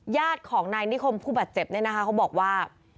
ญาติของนายนิคมผู้บาดเจ็บเนี่ยนะคะเขาบอกว่า